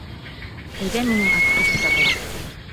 — Әйҙә минең атты һатабыҙ.